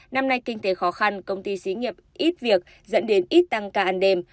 năm nay kinh tế khó khăn công ty xí nghiệp ít việc dẫn đến ít tăng ca ăn đêm